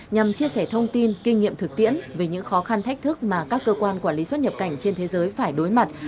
nhằm chia sẻ thông tin kinh nghiệm thực tiễn về những khó khăn thách thức mà các cơ quan quản lý xuất nhập cảnh trên thế giới phải đối mặt